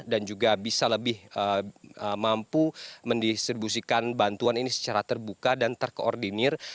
dan juga bisa lebih mampu mendistribusikan bantuan ini secara terbuka dan terkoordinir